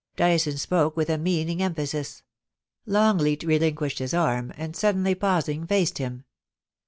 Dyson spoke with a meaning emphasis. Longleat relin quished his arm, and suddenly pausing, faced him.